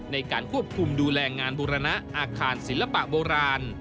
ในการควบคุมดูแลงานบุรณะอาคารศิลปะโบราณ